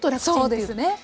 そうですね。